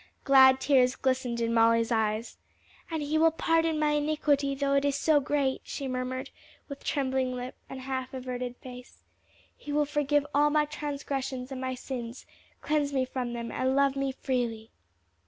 '" Glad tears glistened in Molly's eyes. "And he will pardon my iniquity though it is so great," she murmured, with trembling lip and half averted face: "he will forgive all my transgressions and my sins, cleanse me from them and love me freely."